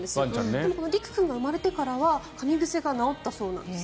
でもこの陸君が生まれてからはかみ癖が治ったそうなんです。